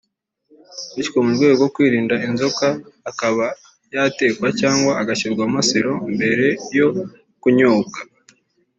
bityo mu rwego rwo kwirinda inzoka akaba yatekwa cyangwa agashyirwamo sur'eau mbere yo kunyobwa